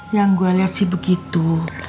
yang gue lihat sih begitu